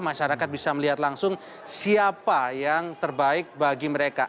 masyarakat bisa melihat langsung siapa yang terbaik bagi mereka